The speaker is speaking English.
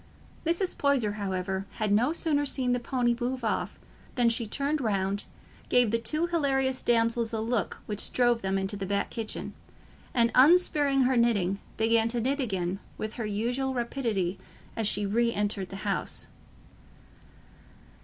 Mrs. Poyser, however, had no sooner seen the pony move off than she turned round, gave the two hilarious damsels a look which drove them into the back kitchen, and unspearing her knitting, began to knit again with her usual rapidity as she re entered the house.